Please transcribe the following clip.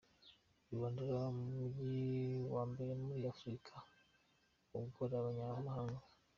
Luanda umujyi wa mbere muri Afurika ugora abanyamahanga.